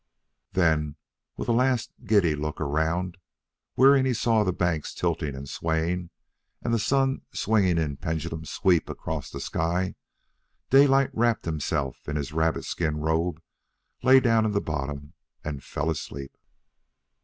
Then, with a last giddy look around, wherein he saw the banks tilting and swaying and the sun swinging in pendulum sweep across the sky, Daylight wrapped himself in his rabbit skin robe, lay down in the bottom, and fell asleep.